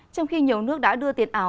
trong khi nhiều nước đã đưa tiền ảo